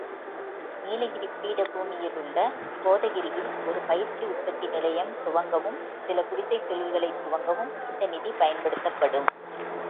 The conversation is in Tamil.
நீலகிரிப் பீடபூமியிலுள்ள கோதகிரியில் ஒருபயிற்சி உற்பத்தி நிலையம் துவக்கவும், சில குடிசைத் தொழில்களைத் துவக்கவும் இந்த நிதி பயன்படுத்தப்படும்.